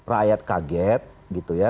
rakyat kaget gitu ya